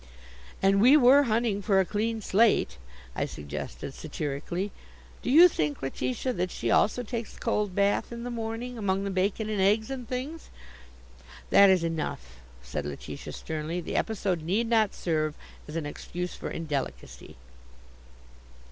"And we were hunting for a clean slate," I suggested satirically. "Do you think, Letitia, that she also takes a cold bath in the morning, among the bacon and eggs, and things?" "That is enough," said Letitia sternly. "The episode need not serve as an excuse for indelicacy."